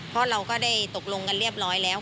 เพราะเราก็ได้ตกลงกันเรียบร้อยแล้ว